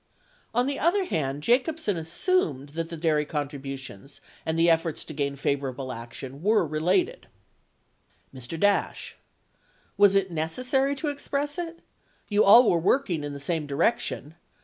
42 On the other hand, Jacobsen assumed that the dairy contributions and the efforts to gain favorable action were related : Mr. Dash. Was it necessary to express it? You all were working in the same direction.